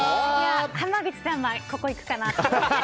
濱口さんはここいくかなと思って。